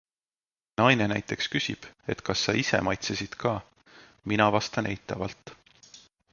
Naine näiteks küsib, et kas sa ise maitsesid ka, mina vastan eitavalt.